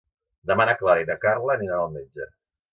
Demà na Clara i na Carla aniran al metge.